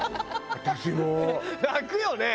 私も！泣くよね？